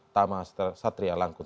tamaster satria langkun